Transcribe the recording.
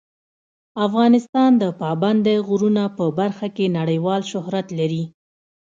افغانستان د پابندی غرونه په برخه کې نړیوال شهرت لري.